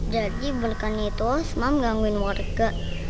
jadi boneka itu semua menggangguin warga